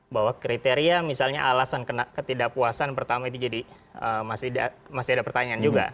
bahwa kriteria misalnya alasan ketidakpuasan pertama itu jadi masih ada pertanyaan juga